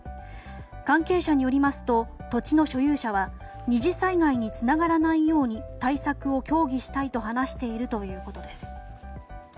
関係者によりますと土地の所有者は２次災害につながらないように対策を協議したいと話しているということです。